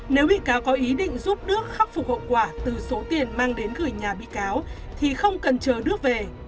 nếu bị cáo có ý định giúp nước khắc phục hậu quả từ số tiền mang đến gửi nhà bị cáo thì không cần chờ nước về